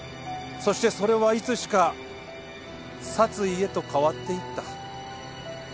そしてそれはいつしか殺意へと変わっていった。